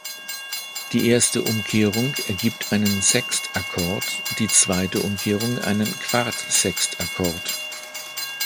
Die erste Umkehrung ergibt einen Sextakkord, die zweite Umkehrung einen Quartsextakkord.